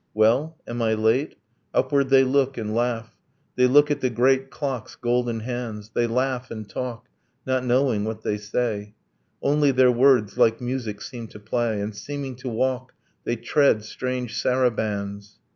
'Well, am I late?' Upward they look and laugh, They look at the great clock's golden hands, They laugh and talk, not knowing what they say: Only, their words like music seem to play; And seeming to walk, they tread strange sarabands.